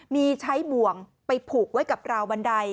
มีใช้บ่วงไปผูกไว้กับราวบันได